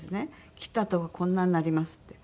「切った痕がこんなになります」って。